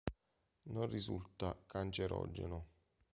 Non risulta cancerogeno.